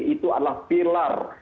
itu adalah pilar